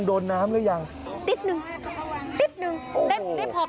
โอ้โฮ